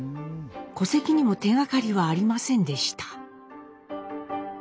戸籍にも手がかりはありませんでした。